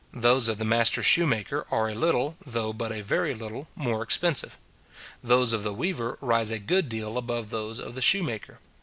Those of the master shoemaker are a little, though but a very little, more expensive. Those of the weaver rise a good deal above those of the shoemaker.